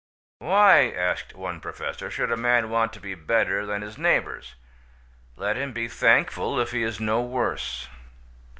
"Why," asked one Professor, "should a man want to be better than his neighbours? Let him be thankful if he is no worse."